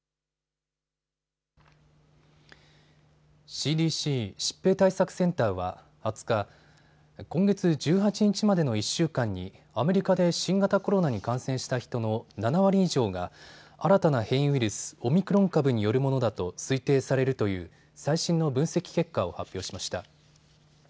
ＣＤＣ・疾病対策センターは２０日、今月１８日までの１週間にアメリカで新型コロナに感染した人の７割以上が新たな変異ウイルス、オミクロン株によるものだと推定されるという最新の分析結果を発表しました。